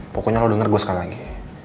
pokoknya lo denger gue sekali lagi